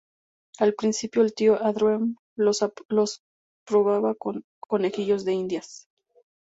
Al principio, el tío Andrew los probaba con conejillos de indias.